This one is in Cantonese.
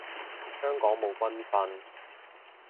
香港冇軍訓